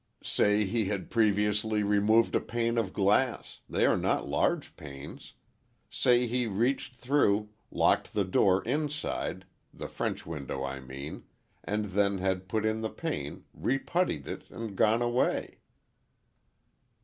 "Say he had previously removed a pane of glass—they are not large panes. Say, he reached through, locked the door inside—the French window, I mean—and then had put in the pane, reputtied it, and gone away."